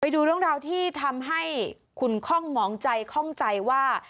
ดูเรื่องราวที่ทำให้คุณค่องหมองใจคล่องใจว่า